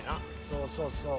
そうそうそう。